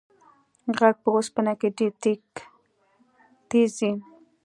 غږ په اوسپنه کې ډېر تېز ځي.